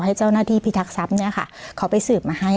ให้เจ้าหน้าที่พิทักษัพเนี่ยค่ะเขาไปสืบมาให้